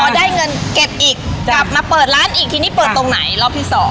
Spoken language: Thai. ได้เงินเก็บอีกกลับมาเปิดร้านอีกทีนี้เปิดตรงไหนรอบที่๒